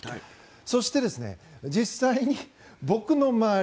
そして実際に僕の周り